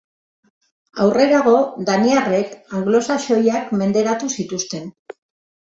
Aurrerago daniarrek anglosaxoiak menderatu zituzten.